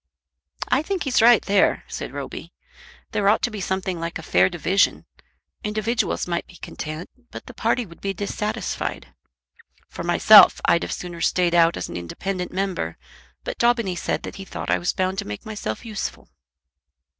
"I think he's right there," said Roby. "There ought to be something like a fair division. Individuals might be content, but the party would be dissatisfied. For myself, I'd have sooner stayed out as an independent member, but Daubeny said that he thought I was bound to make myself useful."